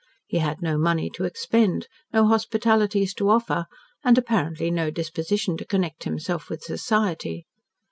He had no money to expend, no hospitalities to offer and apparently no disposition to connect himself with society.